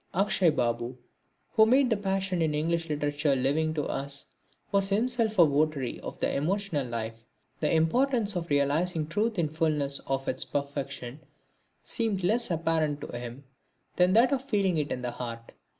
Akshay Babu, who had made the passion in English literature living to us, was himself a votary of the emotional life. The importance of realising truth in the fulness of its perfection seemed less apparent to him than that of feeling it in the heart.